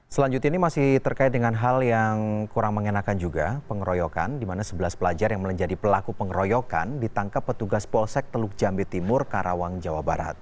selanjutnya ini masih terkait dengan hal yang kurang mengenakan juga pengeroyokan di mana sebelas pelajar yang menjadi pelaku pengeroyokan ditangkap petugas polsek teluk jambi timur karawang jawa barat